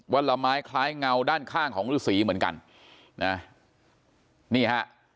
ละไม้คล้ายเงาด้านข้างของฤษีเหมือนกันนะนี่ฮะ